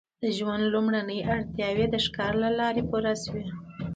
د ژوند لومړنۍ اړتیاوې د ښکار له لارې پوره شوې.